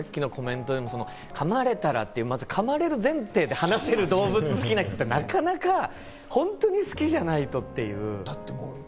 僕ももちろんテレビで見ていて、さっきのコメントでも噛まれたらって、まず噛まれる前提で話せる動物好きな人って、なかなか本当に好きじゃないとっていう。